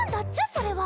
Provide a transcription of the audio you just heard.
それは！